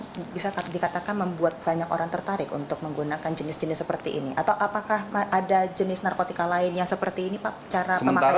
ini bisa dikatakan membuat banyak orang tertarik untuk menggunakan jenis jenis seperti ini atau apakah ada jenis narkotika lain yang seperti ini pak cara pemakaiannya